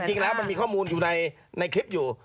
จริงแล้วมันมีข้อมูลอยู่ในคลิปอยู่